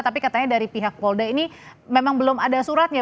tapi katanya dari pihak polda ini memang belum ada suratnya